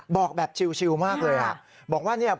บอกแบบชิวมากเลยอ่ะ